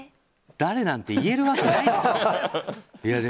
誰なんて言えるわけないよ。